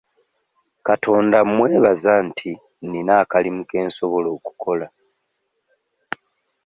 Katonda mmwebaza nti nnina akalimu ke nsobola okukola.